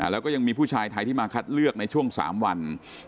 แล้วก็ยังมีผู้ชายไทยที่มาคัดเลือกในช่วง๓วัน